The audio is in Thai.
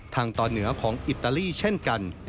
ทางต่อเหนือของอิตาลีเช่นกัน